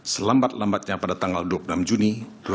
selambat lambatnya pada tanggal dua puluh enam juni dua ribu dua puluh